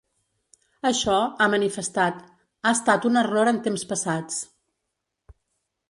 “Això –ha manifestat– ha estat un error en temps passats”.